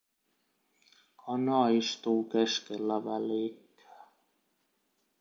Kana istuu keskellä välikköä.